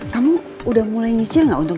kamu udah mulai nyicil gak untuk